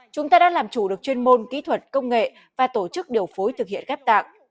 chúng ta đã làm chủ được chuyên môn kỹ thuật công nghệ và tổ chức điều phối thực hiện ghép tạng